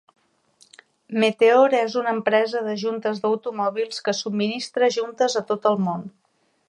Meteor és una empresa de juntes d'automòbils que subministra juntes a tot el món.